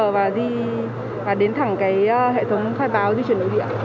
và đến thẳng cái hệ thống khai báo di chuyển đối diện